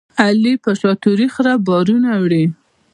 علي په شاتوري خره بارونه وړي.